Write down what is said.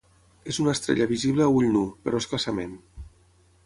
És una estrella visible a ull nu, però escassament.